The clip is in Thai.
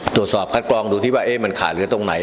ตรวจสอบคัดกรองดูที่ว่ามันขาดเหลือตรงไหน